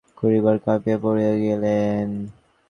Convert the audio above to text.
সভা হইতে বাহির হইবার সময় খুড়াসাহেব কাঁপিয়া পড়িয়া গেলেন।